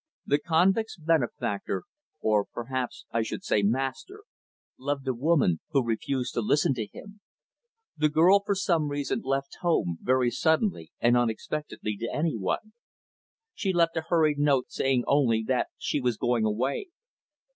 "The convict's benefactor or, perhaps I should say, master loved a woman who refused to listen to him. The girl, for some reason, left home, very suddenly and unexpectedly to any one. She left a hurried note, saying, only, that she was going away.